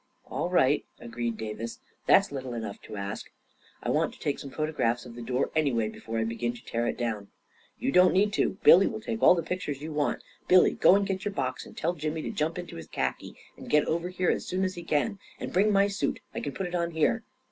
"All right," agreed Davis; "that's little enough to ask! I want to take some photographs of the door, anyway, before I begin to tear it down." " You don't need to — Billy will take all the pic tures you want. Billy, go and get your box, and tell 200 A KING IN BABYLON Jimmy to jump into his khaki and get over here as soon as he can. And bring my suit — I can put it on here."